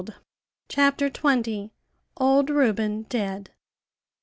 CHAPTER XX. OLD REUBEN DEAD.